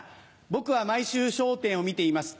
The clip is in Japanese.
「僕は毎週『笑点』を見ています。